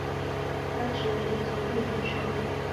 官职为左卫门少尉。